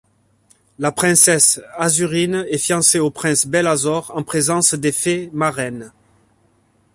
La princesse Azurine est fiancée au prince Bel-Azor en présence des fées-marraines.